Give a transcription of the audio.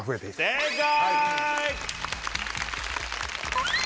正解！